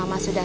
kasih ya bi